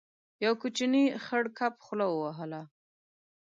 يو کوچنی خړ کب خوله وهله.